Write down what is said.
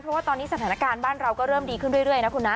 เพราะว่าตอนนี้สถานการณ์บ้านเราก็เริ่มดีขึ้นเรื่อยนะคุณนะ